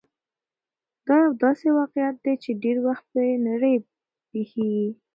دا يو داسې واقعيت دی چې ډېری وخت په نړۍ کې پېښېږي.